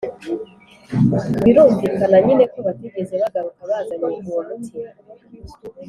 birumvikana nyine ko batigeze bagaruka bazanye uwo muti,